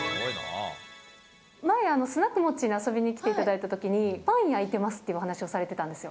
前、スナックモッチーに遊びに来ていただいたときに、パンを焼いてますってお話をされてたんですよ。